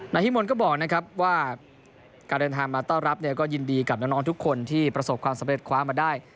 นายฮิมนต์ก็บอกว่าการเดินทางมาเต้ารับก็ยินดีกับน้องทุกคนที่ประสบความสำเร็จคว้ามาได้